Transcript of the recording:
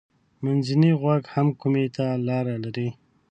منځنی غوږ هم کومي ته لاره لري.